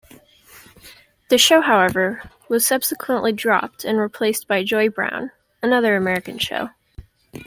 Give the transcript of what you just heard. The show, however, was subsequently dropped and replaced by Joy Browne, another American show.